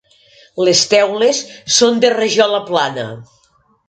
Les teules són de rajola plana.